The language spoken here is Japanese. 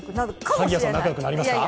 萩谷さん、仲よくなりますか？